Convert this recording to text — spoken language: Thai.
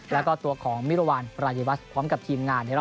แล้วก็ตัวของมิรวรรณรายวัชพร้อมกับทีมงานในรอบ